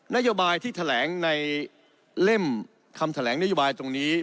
นโยบายที่แถลงในเล่มคำแถลงนโยบายตรงนี้